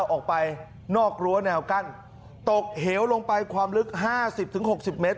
ออกไปนอกรั้วแนวกั้นตกเหวลงไปความลึกห้าสิบถึงหกสิบเมตร